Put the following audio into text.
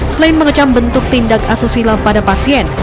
selain mengecam bentuk tindak asusila pada pasien